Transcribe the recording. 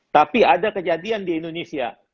tapi ada kejadian di indonesia